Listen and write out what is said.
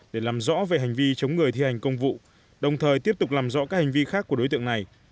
để làm rõ về hành vi chống người thi hành công vụ đồng thời tiếp tục làm rõ các hành vi khác của đối tượng này